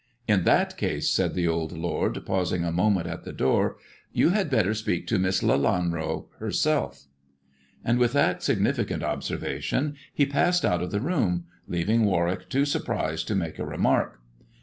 In that case," said the old lord, pausing a moment at the door, " you had better speak to Miss Lelanro herself." And with that significant observation he passed out of the room, leaving Warwick too surprised to make a rematk.